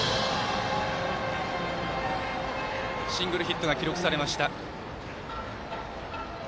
シングルヒットが記録されました。